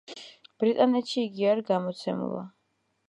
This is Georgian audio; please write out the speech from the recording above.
ბრიტანეთში იგი არ გამოცემულა.